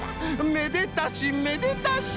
めでたしめでたし！